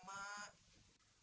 makanya mak sudah selesai